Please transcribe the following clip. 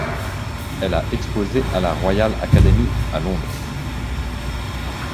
Elle a exposé à la Royal Academy à Londres.